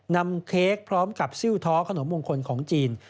เค้กพร้อมกับซิลท้อขนมมงคลของจีน